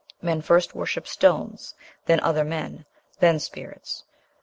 Men first worship stones, then other men, then spirits.